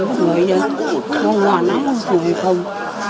nó ngồi đây nó ngồi này nó ngồi không